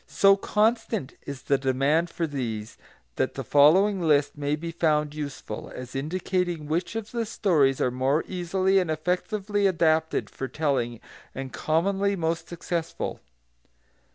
So constant is the demand for these that the following list may be found useful, as indicating which of the stories are more easily and effectively adapted for telling, and commonly most successful.